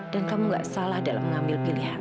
dan kamu nggak salah dalam mengambil pilihan